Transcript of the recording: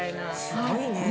すごいね。